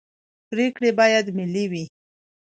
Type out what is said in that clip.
پرېکړې باید ملي وي